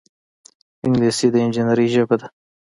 انګلیسي د انجینرۍ ژبه ده